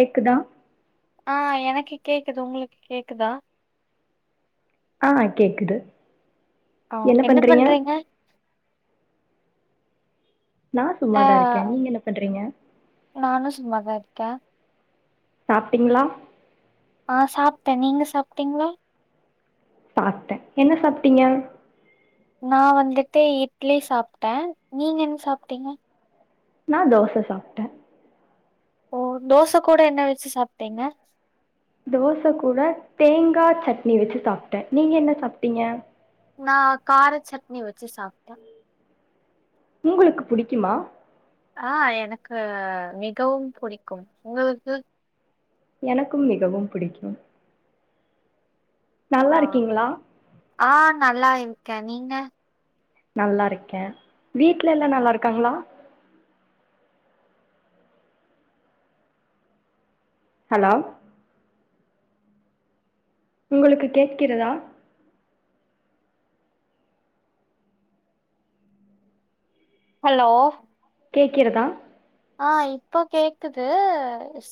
கேக்குதா ஆ எனக்கு கேக்குது உங்களுக்கு கேக்குதா ஆ கேக்குது ஒ. என்ன பண்றீங்க நா சும்மாதா இருக்கே நீங்க என்ன பண்றீங்க நானு சும்மாதா இருக்கே சாப்ட்டிங்ளா ஆ சாப்ட்டே நீங்க சாப்ட்டீங்ளா சாப்டே என்ன சாப்ட்டீங்க நா வந்துட்டு இட்லி சாப்ட்ட நீங்க என்ன சாப்ட்டீங்க நா தோச சாப்ட்டே ஓ தோச கூட என்ன வெச்சு சாப்ட்டீங்க தோச கூட தேங்கா சட்னி வெச்சி சாப்ட்டே நீங்க என்ன சாப்ட்டீங்க நா கார சட்னி வெச்சி சாப்ட்ட உங்குளுக்கு புடிக்குமா ஆ எனக்கு மிகவும் புடிக்கும் உங்களுக்கு எனக்கும் மிகவும் புடிக்கும் அ இருக்கீங்களா ஆ நல்லா இருக்க நீங்க நல்லா இருக்கே வீட்ல எல்லா நல்லா இருக்காங்களா ஹலோ உங்களுக்கு கேட்கிறதா ஹலோ கேக்கிறதா ஆ இப்ப கேக்குது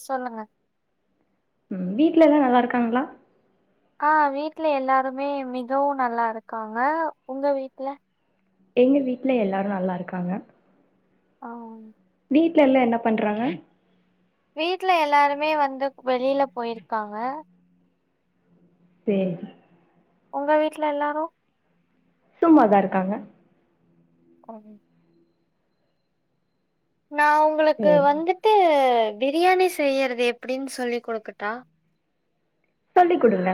சொல்லுங்க ம் வீட்ல எல்லா நல்லா இருக்காங்ளா ஆ வீட்ல எல்லாருமே மிகவு நல்லா இருக்காங்க உங்க வீட்ல எங்க வீட்ல எல்லாரு நல்லா இருக்காங்க ஆ வீட்ல எல்லா என்ன பண்றாங்க வீட்ல எல்லாருமே வந்து வெளியில போயிருக்காங்க சேரி உங்க வீட்டுல எல்லாரு சும்மாதா இருக்காங்க அப்பறம் நா உங்களுக்கு சேரி வந்துட்டு பிரியாணி செய்யறது எப்டின் சொல்லி குடுக்கட்டா சொல்லி குடுங்க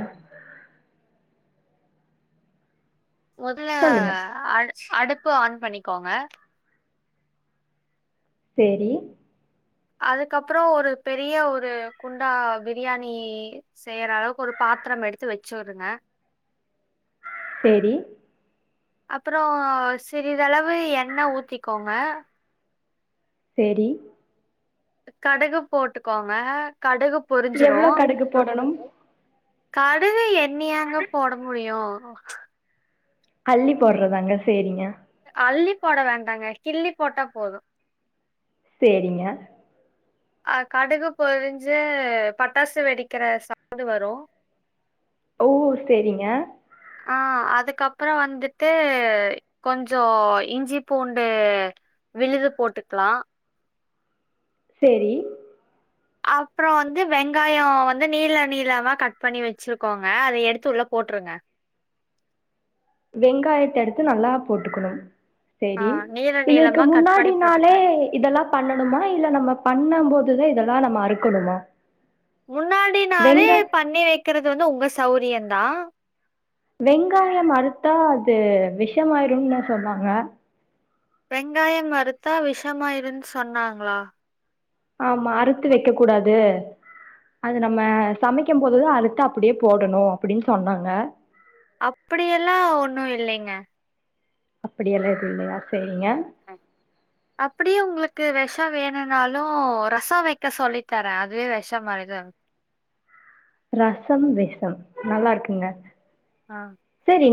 மொதல்ல சொல்லுங்க அ அடுப்பு ஆன் பண்ணிக்கோங்க செரி அதுக்கப்புறோ ஒரு பெரிய ஒரு குண்டா பிரியாணி செய்யற அளவுக்கு ஒரு பாத்ரம் எடுத்து வச்சி விடுங்க சேரி அப்றோ சிறிதளவு எண்ண ஊத்திக்கோங்க சேரி கடுகு போட்டுக்கோங்க கடுகு பொரிஞ்சிரு எவ்ளோ கடுகு போடணும் கடுகு எண்ணியாங்க போட முடியு அள்ளி போட்றதாங்க சேரிங்க அள்ளி போட வேண்டாங்க கிள்ளி போட்டா போது சேரிங்க அ கடுகு பொரிஞ்சு பட்டாசு வெடிக்கிற சவுண்டு வரு ஓ சேரிங்க ஆ அதுக்கப்பறோ வந்துட்டு கொஞ்சோ இஞ்சி பூண்டு விழுது போட்டுக்லா சேரி அப்றம் வந்து வெங்காயொ வந்து நீள நீளமா கட் பண்ணி வச்சிருக்கோங்க அத எடுத்து உள்ள போட்ருங்க வெங்காயத்த எடுத்து நல்லா போட்டுக்குணும் ஆ சேரி நீள இதற்கு நீளமா கட் பண்ணி முன்னாடினாலே போட்டுக்கணும். இதெல்லாம் பண்ணணுமா இல்ல நம்ம பண்ணம் போதுதா இதெல்லாம் நம்ம அறுக்கணுமா முன்னாடி நாளே வெங்க பண்ணி வக்கிறது வந்து உங்க சௌரியந்தா வெங்காயம் அறுத்தா அது விஷமாயிருன்னு சொன்னாங்க வெங்காயம் அறுத்தா விஷமாயிருன் சொன்னாங்ளா ஆமா அறுத்து வெக்க கூடாது அது நம்ம சமைக்கம் போதுதா அறுத்து அப்டியே போடணு அப்படின் சொன்னாங்க அப்பிடியெல்லா ஒன்னு இல்லைங்க அப்பிடி எல்லா எது இல்லையா சேரிங்க அப்பிடியே உங்களுக்கு வெஷொ வேணுன்னாலு ரசொ வெக்க சொல்லி தரே அதுவே வெஷம் மாரிதா இருக் ரசம் வெஷம் நல்லாருக்குங்க ஆ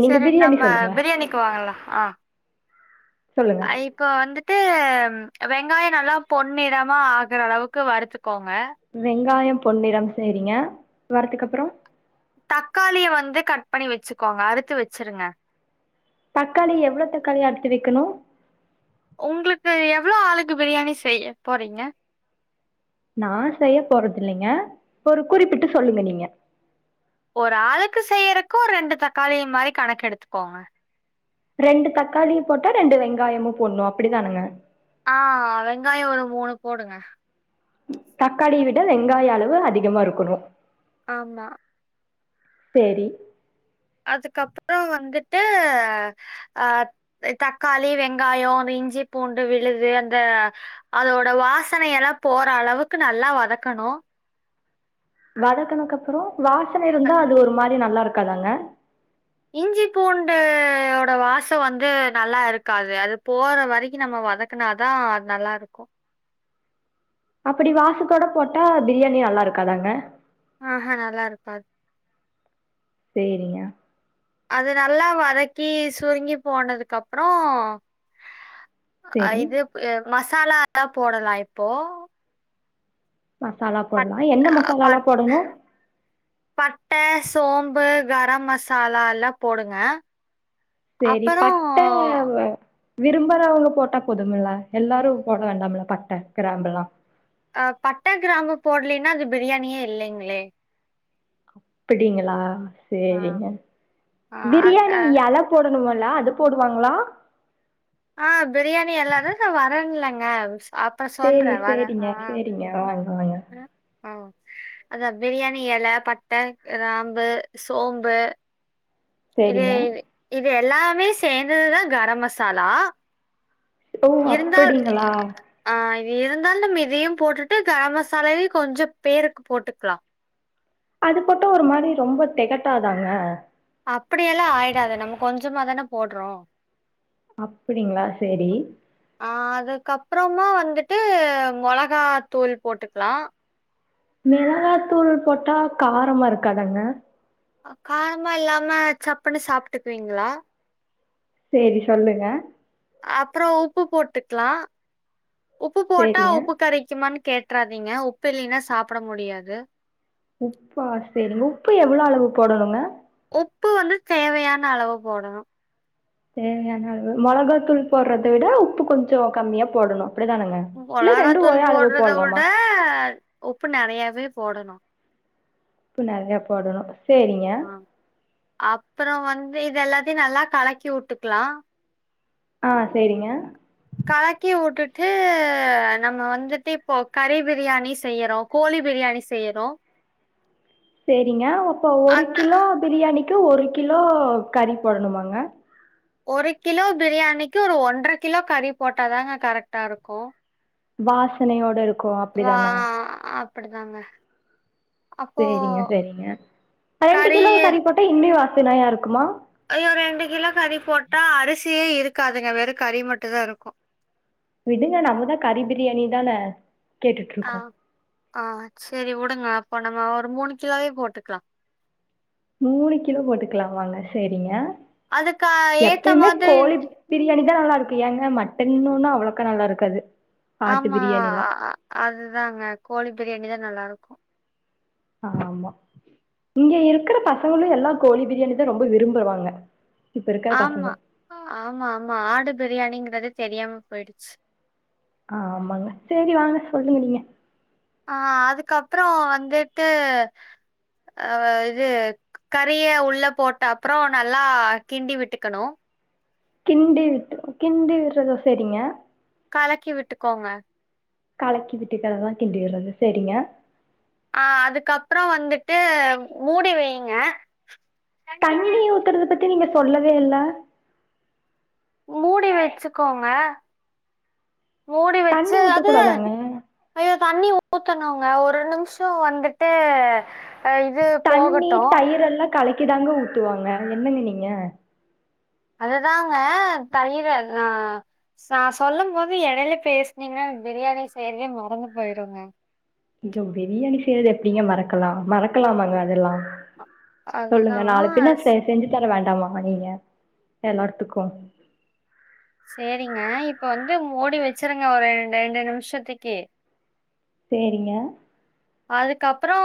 சரி நம்ம சொல்லுங்க பிரியாணிக்கு வாங்கலா ஆ சொல்லுங் அ இப்போ வந்துட்டு வெங்காயொ நல்லா பொண்ணிறமா ஆகுற அளவுக்கு வருத்துக்கோங்க வெங்காயம் பொன்னிறம் சரிங்க வரதுக்கப்புறம் தக்காளிய வந்து கட் பண்ணி வெச்சுக்கோங்க அறுத்து வெச்சிருங்க தக்காளி எவ்ளோ தக்காளி அறுத்து வெக்கணு உங்களுக்கு எவ்ளோ ஆளுக்கு பிரியாணி செய்ய போறீங்க நா செய்ய போறது இல்லைங்க ஒரு குறிப்பிட்டு சொல்லுங்க நீங்க ஒரு ஆளுக்கு செய்யறக்கு ஒரு ரெண்டு தக்காளிய மாரி கணக்கெடுத்துக்கோங்க ரெண்டு தக்காளி போட்டா ரெண்டு வெங்காயமும் போட்ணு அப்டிதானுங்க ஆ வெங்காயொ ஒரு மூணு போடுங்க தக்காளிய விட வெங்காய அளவு அதிகமா இருக்கணு ஆமா சேரி அதுக்கப்புறொ வந்துட்டு அ தக்காளி வெங்காயோ அந்த இஞ்சி பூண்டு விழுது அந்த அதோட வாசனை எல்லா போற அளவுக்கு நல்லா வதக்கணு வதக்கனக்கப்புறோ வாசன இருந்தா அது ஒரு மாரி நல்லாருக்காதாங்க இஞ்சி பூண்டு ஓட வாசம் வந்து நல்லா இருக்காது அது போற வரைக்கு நம்ம வதக் க்கு அதா நல்லாருக்கு அப்டி வாசத்தோட போட்டா பிரியாணி நல்லாருக்காதாங்க ஆஹா நல்லாருக்காது சேரியா அது நல்லா வதக்கி சுருங்கி போனதுக்கப்றோ சரி இது ப் மசாலாலா போடலா இப்போ மசாலா பட் போடலா என்ன மசாலாலா போடணு பட்ட சோம்பு கரம் மசாலால்லா போடுங்க செரி அப்பறோ பட்ட எல விரும்பறவங்க போட்டா போதும்ல எல்லாரு போட வேண்டாம்ல பட்ட கிராம்புல்லா அ பட்ட கிரம்பு போடலின்னா அது பிரியாணியே இல்லைங்களே அப்டிங்களா ஆ செரிங்க ஆ அது பிரியாணி அ எல போடுனுவலா அது போடுவாங்களா ஆ பிரியாணி எல எல்லாரு வரேன்லங்க அப்றோ சரி சொல்றே வர சரிங்க ஆ சரிங்க வாங்க வாங்க ஆ அத பிரியாணி எல பட்ட கிராம்பு சோம்பு இது சரிங்க இது எல்லாமே சேந்ததுதா கரம் மசாலா ஓ இருந்தால் அப்படிங்களா ஆ இது இருந்தாலு நம்ம இதயு போட்டுட்டு கரம் மசாலாவயு கொஞ்சோ பேருக்கு போட்டுக்கலா அது போட்ட ஒரு மாரி ரொம்ப தெகட்டாதாங்க அப்டியெல்லா ஆய்டாது நம்ம கொஞ்சமா தான போட்றோ அப்டிங்களா சேரி ஆ அதுக்கப்புறமா வந்துட்டு மொளகா தூள் போட்டுக்லா மிளகாத்தூள் போட்டா காரமாருக்காதங்க காரமா இல்லாம சப்புன்னு சாப்ட்டுகுவீங்ளா செரி சொல்லுங்க அப்றோ உப்பு போட்டுக்கலா உப்பு போட்டா சேரிங்க உப்பு கரைக்குமானு கேட் றாதீங்க உப்பில்லனா சாப்ட முடியாது உப்பா செரி உப்பு எவ்ளோ அளவு போடணுங்க உப்பு வந்து தேவையான அளவு போடணு தேவையான அளவு மொளகாத்தூள் போட்றத விட உப்பு கொஞ்சோ கம்மியா போடணு அப்டிதானங்க இல்ல ரெண்டும் மொளகாத்தூள் ஒரே அளவு போட்றத விட போடலாமா உப்பு நெறையாவே போடணு உப்பு நெறையா போடணு சேரிங்க அப்றோ வந்து இது எல்லாத்தையு நல்லா கலக்கி உட்டுக்கலா ஆ செரிங்க கலக்கி உட்டுட்டு நம்ம வந்துட்டு இப்போ கறி பிரியாணி செய்யறோ கோழி பிரியாணி செய்யறோ செரிங்க அப்போ ஒரு அந்த கிலோ பிரியாணிக்கு ஒரு கிலோ கறி போடணுமாங்க ஒரு கிலோ பிரியாணிக்கு ஒரு ஒன்றரை கிலோ கறி போட்டாதாங்க கரெக்ட்டா இருக்கு வாசனையோட இருக்கோ அப்டிதான அப்டிதாங்க செரிங்க செரிங்க ரெண்டு கிலோ கறி போட்டா இன்னுமே வாசனையாருக்குமா ஐயோ ரெண்டு கிலோ கறி போட்டா அரிசியே இருக்காதுங்க வெறு கறி மட்டு தா இருக்கு விடுங்க நம்மதா கறி பிரியாணி தான ஆ கேட்டுட்ருக்கோ ஆ செரி விடுங்க அப்போ நம்ம ஒரு மூணு கிலோ வே போட்டுக்லா மூணு கிலோ போட்டுக்கலாமாங்க செரிங்க அதுக்கு அஹ், ஏத்த எப்பயுமே மாதிரி கோழி பிரியாணி தா நல்லாருக்கு ஏங்க மட்டன்னொன்னு அவ்ளோக்கா நல்லாருக்காது ஆமா அ அ அதுதாங்க கோழி பிரியாணி தா நல்லாருக்கு ஆமா இங்க இருக்ற பசங்களு எல்லா கோழி பிரியாணி தா ரொம்ப விரும்புவாங்க இப்ப இருக்கிற பசங்க ஆமா ஆமாமா ஆடு பிரியாணிங்கரதே தெரியாம போயிடுச்சு ஆமாங்க சரி வாங்க சொல்லுங்க நீீங்க ஆ அதுக்கப்பறோ வந்துட்டு அ இது க கறிய உள்ள போட்ட அப்றோ நல்லா கிண்டி விட்டுக்கணு கிண்டி விட்டு கிண்டி விட்றது சரிங்க கலக்கி விட்டுக்கோங்க கலக்கி விட்டுக்றதுதா கிண்டி விட்றது சரிங்க அ அதுக்கப்றோ வந்துட்டு மூடி வைங்க தண்ணி ஊத்துறத பத்தி நீங்க சொல்லவே இல்ல மூடி வச்சுக்கோங்க மூடி வச்சு தண்ணி அதுல ஊத்தக்கூடாதாங்க ஐயோ தண்ணி ஊத்தனுங்க ஒரு நிம்ஷோ வந்துட்டு ஆ இது தண்ணி போகட்டு தயிர் எல்லா கலக்கிதாங்க ஊத்துவாங்க என்னங்க நீங்க அதுதாங்க தயிர அதா சா சொல்லும் போது எடைல பேஸ்னீங்னா எனக் பிரியாணி செய்யறதே மறந்து போயிருங்க கொஞ்ச பிரியாணி செய்யறது எப்டிங்க மறக்கலா மறக்கலாமாங்க அதெல்லா சொல்லுங்க நாள பின்ன அதுதான் செ செஞ்சு தர வேண்டாமாங்க நீங்க எல்லார்த்துக்கு சேரிங்க இப்ப வந்து மூடி வச்சுருங்க ஒரு ரெண் ரெண்டு நிமிஷத்துக்கி சேரிங்க அதுக்கப்றோ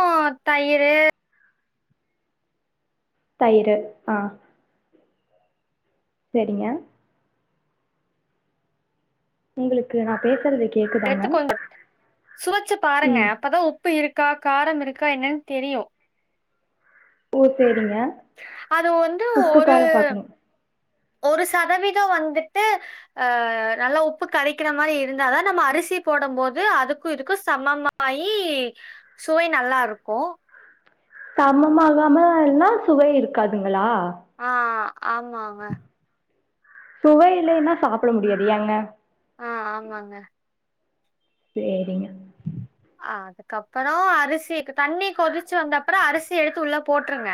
தயிரு தைரு அ செரிங்க உங்களுக்கு நா பேசறது எடுத்து கொஞ்ச [inaudible] சுவச்சு பாருங்க ம் அப்பதா உப்பு இருக்கா காரம் இருக்கா என்னன் தெரியு ஓ சேரிங்க அது வந்து உப்பு ஒரு கார பாக்கணு ஒரு சதவீத வந்துட்டு அ நல்லா உப்பு கரிக்கிற மாரி இருந்தா தா நம்ம அரிசி போடும் போது அதுக்கு இதுக்கு சம மாயி சுவை நல்லாருக்கு சமமாகாம இருந்தா சுவை இருக்காதுங்ளா ஆ ஆமாங்க சுவை இல்லனா சாப்பிட முடியாது ஏங்க ஆ ஆமாங்க சேரிங்க அ அதுக்கப்பறோ அரிசிக் தண்ணி கொதிச்சு வந்தப்றோ அரிசி எடுத்து உள்ள போட்ருங்க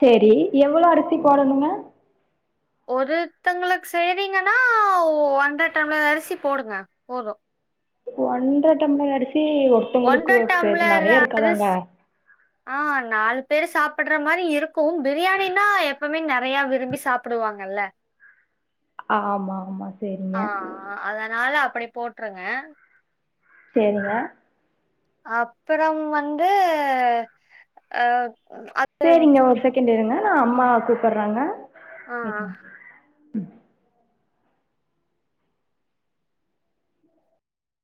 சேரி எவ்வளோ அரிசி போடணுங்க ஒருத்தங்களுக்கு செய்வீங்கன்னா ஒன்ற டம்ளர் அரிசி போடுங்க போது ஒன்றர டம்ளர் அரிசி ஒருத்தங்ளுக்கு ஒன்றரை பெ டம்ளர் நெறயா இருக்காதாங்க ஆ நாலு பேரு சாப்பட்ற மாரி இருக்கு பிரியாணின்னா எப்பமே நெறைய விரும்பி சாப் ப்பிடுவாங்கல்ல ஆமா ஆமா செரிங்க ஆ அதனால அப்படி போட்ருங்க சேரிங்க அப்புறம் வந்து அ அது சேரிங்க ஒரு செகண்ட் இருங்க நா அம்மா கூப்படறாங்க ஆ